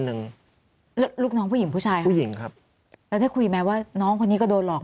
ลูกน้องผู้หญิงผู้ชายค่ะผู้หญิงครับแล้วได้คุยไหมว่าน้องคนนี้ก็โดนหลอก